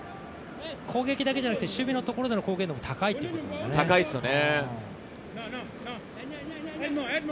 攻撃だけじゃなくて守備のところでの貢献力も高いってことですよね。